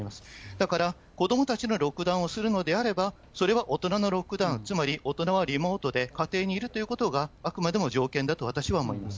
だから、子どもたちのロックダウンをするのであれば、それは大人のロックダウン、つまり大人はリモートで、家庭にいるということが、あくまでも条件だと私は思います。